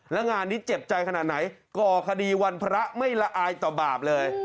แล้วงานนี้เจ็บใจขนาดไหนก่อคดีวันพระไม่ละอายต่อบาปเลย